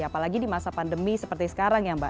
apalagi di masa pandemi seperti sekarang ya mbak